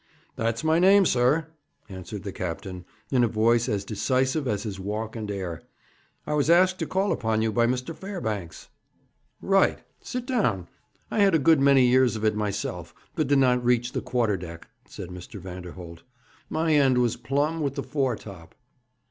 'That's my name, sir,' answered the captain, in a voice as decisive as his walk and air. 'I was asked to call upon you by Mr. Fairbanks.' 'Right. Sit down. I had a good many years of it myself, but did not reach the quarter deck,' said Mr. Vanderholt. 'My end was plumb with the fore top.'